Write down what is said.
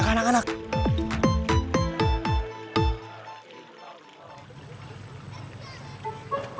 sisi apa tuh